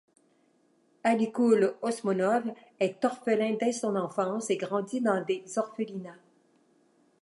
Alikul Osmonov est orphelin dès son enfance et grandit dans des orphelinat.